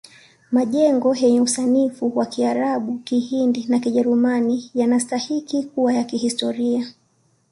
Majengo yenye usanifu wa kiarabu kihindi na kijerumani yanastahiki kuwa ya kihistoria